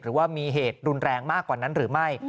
หรือว่ามีเหตุรุนแรงมากกว่านั้นหรือไม่